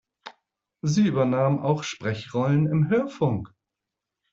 Sie übernahm auch Sprechrollen im Hörfunk.